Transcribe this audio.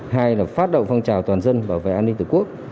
hai là phát động phong trào toàn dân bảo vệ an ninh tử quốc